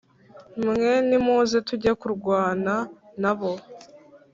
Mwe nimuze tujye kurwana na bo